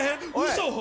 嘘！